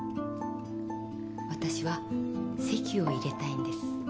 わたしは籍を入れたいんです。